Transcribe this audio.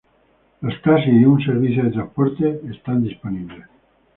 Los taxis y un servicio de transporte están disponibles.